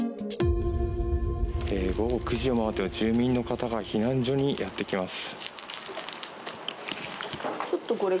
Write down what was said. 午後９時を回っても住民の方が避難所にやってきます。